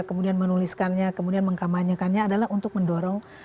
kemudian menuliskannya kemudian mengkamanyakannya adalah untuk mendorong hal itu